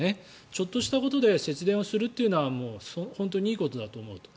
ちょっとしたことで節電をするというのは本当にいいことだと思うと。